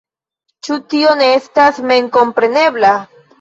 Ĉu tio ne estas memkomprenebla?